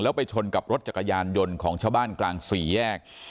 แล้วไปชนกับรถจักรยานยนต์ของชาวบ้านกลางสี่แยก